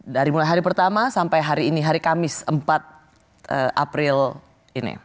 dari mulai hari pertama sampai hari ini hari kamis empat april ini